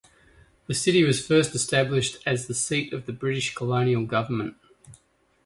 The city was first established as the seat of the British colonial government.